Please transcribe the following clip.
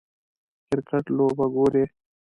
کریکټ لوبه ګورئ